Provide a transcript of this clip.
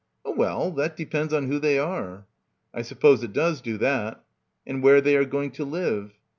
"Oh well, that depends on who they are." "I suppose it does do that." "And where they are going to live."